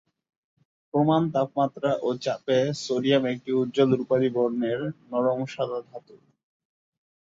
প্রমাণ তাপমাত্রা ও চাপে সোডিয়াম একটি উজ্জ্বল রূপালী বর্ণের নরম সাদা ধাতু।